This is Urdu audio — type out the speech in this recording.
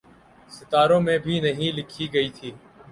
ستاروں میں بھی نہیں لکھی گئی تھی۔